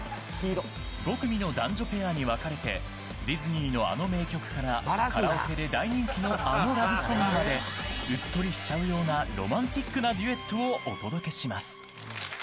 ５組の男女ペアに分かれてディズニーのあの名曲からカラオケで大人気のあのラブソングまでうっとりしちゃうようなロマンティックなデュエットをお届けします。